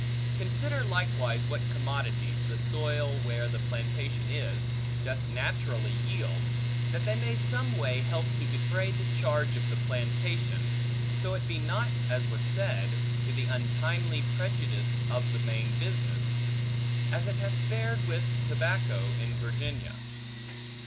Consider likewise what commodities, the soil where the plantation is, doth naturally yield, that they may some way help to defray the charge of the plantation (so it be not, as was said, to the untimely prejudice of the main business), as it hath fared with tobacco in Virginia.